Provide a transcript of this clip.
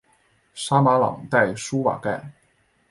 沙马朗代舒瓦盖。